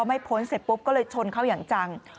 ไม่พ้นเสร็จปุ๊บก็เลยชนเข้าอย่างจัง